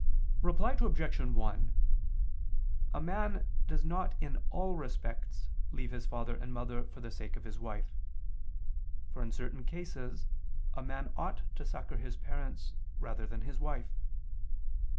Reply Obj. 1: A man does not in all respects leave his father and mother for the sake of his wife: for in certain cases a man ought to succor his parents rather than his wife.